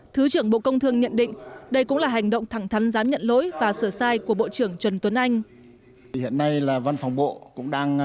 thứ trưởng bộ công thương nhận định đây cũng là hành động thẳng thắn giám nhận lỗi và sửa sai của bộ trưởng trần tuấn anh